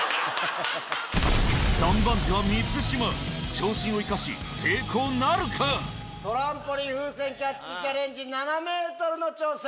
長身を生かし成功なるか⁉トランポリン風船キャッチチャレンジ７ｍの挑戦！